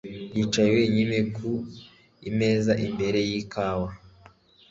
Yicaye wenyine ku meza imbere yikawa